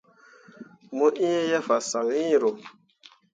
Mo iŋ ye fasaŋ iŋro.